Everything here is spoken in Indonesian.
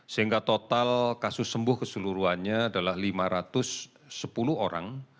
sehingga total kasus sembuh keseluruhannya adalah lima ratus sepuluh orang